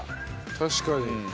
確かに。